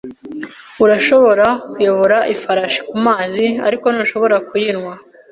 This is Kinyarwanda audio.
Urashobora kuyobora ifarashi kumazi, ariko ntushobora kuyinywa.